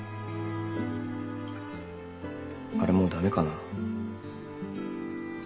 あれもう駄目かな。